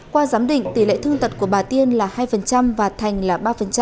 qua giám định tỷ lệ thương tật của bà tiên là hai và thành là ba